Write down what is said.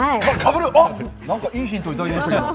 何かいいヒントいただきましたけど